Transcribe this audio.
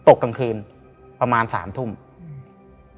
กลางคืนประมาณสามทุ่มอืม